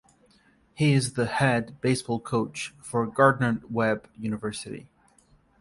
He is the head baseball coach for Gardner–Webb University.